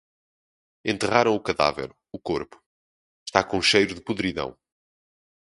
Enterraram o cadáver, o corpo. Está com cheiro de podridão